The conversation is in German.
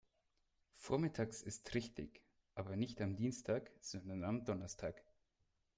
Vormittags ist richtig, aber nicht am Dienstag, sondern am Donnerstag.